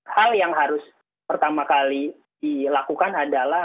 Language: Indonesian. hal yang harus pertama kali dilakukan adalah